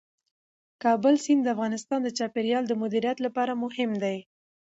د کابل سیند د افغانستان د چاپیریال د مدیریت لپاره مهم دي.